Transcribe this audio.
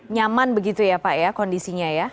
nyaman begitu ya pak ya kondisinya ya